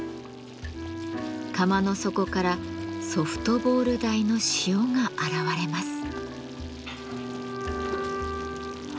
釜の底からソフトボール大の塩が現れます。